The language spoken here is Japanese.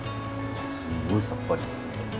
すごいさっぱり。